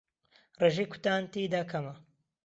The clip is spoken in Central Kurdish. ڕێژەی کوتان تێیدا کەمە